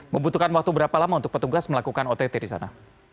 membutuhkan waktu berapa lama untuk petugas melakukan ott di sana